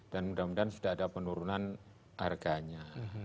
dan mudah mudahan sudah ada penurunan harganya